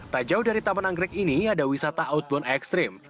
tak jauh dari taman anggrek ini ada wisata outbound ekstrim